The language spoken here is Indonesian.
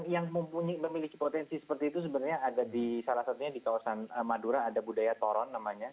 yang memiliki potensi seperti itu sebenarnya ada di salah satunya di kawasan madura ada budaya toron namanya